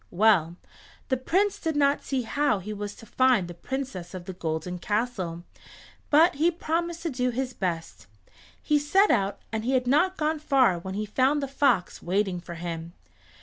Well, the Prince did not see how he was to find the Princess of the Golden Castle, but he promised to do his best. He set out and he had not gone far when he found the fox waiting for him.